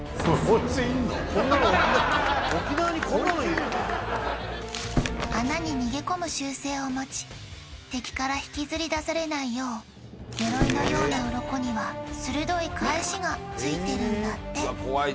こんなの沖縄こいついんの！？を持ち敵から引きずり出されないよう鎧のようなうろこには鋭い返しがついてるんだって